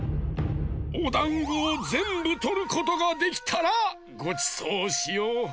おだんごをぜんぶとることができたらごちそうしよう！